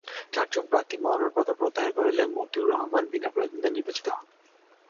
চারজন প্রার্থী মনোনয়নপত্র প্রত্যাহার করে নিলে মতিয়ার রহমান বিনা প্রতিদ্বন্দ্বিতায় নির্বাচিত হন।